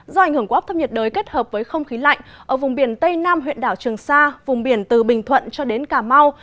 do ảnh hưởng của áp thấp nhiệt đới kết hợp với không khí lạnh ở vùng biển tây nam huyện đảo trường sa vùng biển từ bình thuận cho đến cà mau